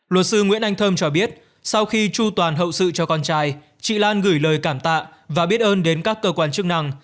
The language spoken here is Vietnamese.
luật sư nguyễn anh thơm cho biết sau khi chu toàn hậu sự cho con trai chị lan gửi lời cảm tạ và biết ơn đến các cơ quan chức năng